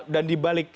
dan di balik